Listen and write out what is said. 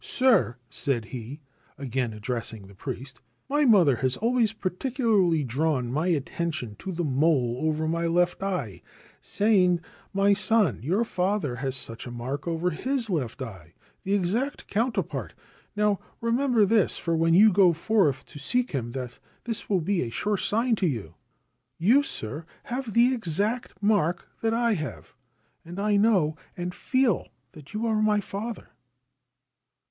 ' Sir,' said he, again addressing the priest, ' my mother has always particularly drawn my attention to the mole over my left eye, saying, " My son, your father has such a mark over his left eye, the exact counterpart ; now, remember this, for when you go forth to seek him this will be a sure sign to you." You, sir, have the exact 79 Ancient Tales and Folklore of Japan mark that I have. I know and feel that you are my father